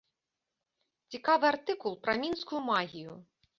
Цікавы артыкул пра мінскую магію.